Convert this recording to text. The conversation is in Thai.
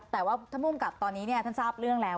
แต่ว่าท่านภูมิกลับตอนนี้เนี่ย